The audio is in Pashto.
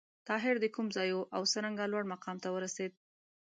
طاهر د کوم ځای و او څرنګه لوړ مقام ته ورسېد؟